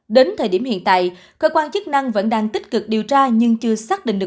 đến thời điểm hiện tại cơ quan chức năng vẫn đang tích cực điều tra nhưng chưa xác định được